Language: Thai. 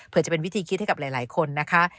เพื่อจะเป็นวิธีคิดให้กับหลายคนนะคะ